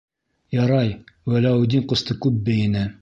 Ярай, Вәләүетдин ҡусты күп бейене!